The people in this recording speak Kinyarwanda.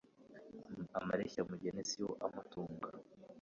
Amareshya mugeni si yo amutunga